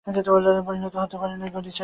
পরিণত অবস্থায় বেদের গণ্ডী ছাড়াইয়া যাইতে হইবে।